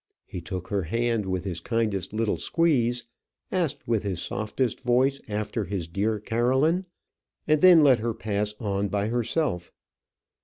He took her hand with his kindest little squeeze, asked with his softest voice after his dear Caroline, and then let her pass on by herself.